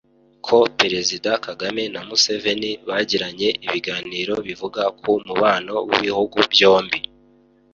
ko Perezida Kagame na Museveni bagiranye ibiganiro bivuga ku mubano w’ibihugu byombi